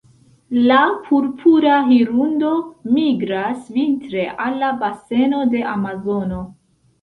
La Purpura hirundo migras vintre al la baseno de Amazono.